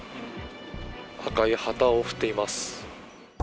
赤い旗を振っています。